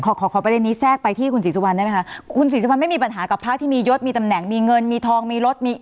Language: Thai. ขอขอประเด็นนี้แทรกไปที่คุณศรีสุวรรณได้ไหมคะคุณศรีสุวรรณไม่มีปัญหากับพระที่มียศมีตำแหน่งมีเงินมีทองมีรถมี